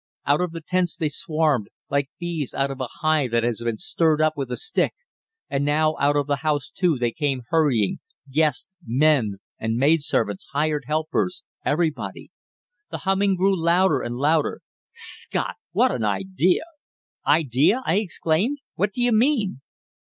Out of the tents they swarmed, like bees out of a hive that has been stirred up with a stick. And now out of the house, too, they came hurrying guests, men and maidservants, hired helpers, everybody. The humming grew louder and louder. "'Scot! What an idea!" "Idea?" I exclaimed. "What do you mean?"